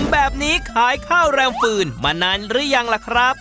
แบบนี้ขายข้าวแรมฟืนมานานหรือยังล่ะครับ